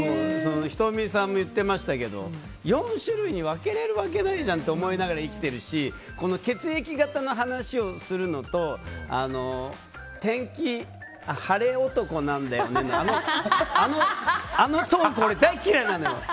仁美さんも言ってましたけど４種類に分けれるわけないじゃんと思って生きてるし血液型の話をするのと晴れ男なんだよねのあのトーク、俺大嫌いなの！